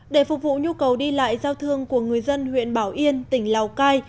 để phục vụ nhu cầu đi lại giao thương của người dân huyện bảo yên tỉnh lào cai